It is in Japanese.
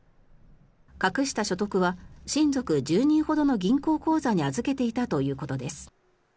隠した所得は親族１０人ほどの銀行口座に預けていたということです。